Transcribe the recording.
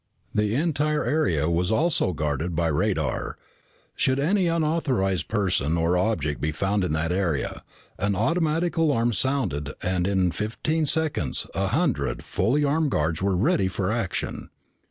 The entire area was also guarded by radar. Should any unauthorized person or object be found in that area, an automatic alarm sounded and in fifteen seconds a hundred fully armed guards were ready for action.